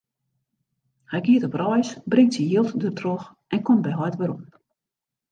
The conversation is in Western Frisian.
Hy giet op reis, bringt syn jild dertroch en komt by heit werom.